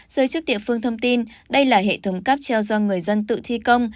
giới chức địa phương thông tin đây là hệ thống cắp treo do người dân tự thi công